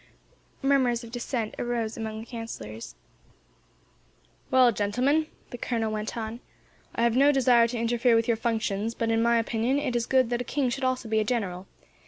Murmurs of dissent arose among the counsellors. "Well, gentlemen," the colonel went on, "I have no desire to interfere with your functions, but, in my opinion, it is good that a king should also be a general.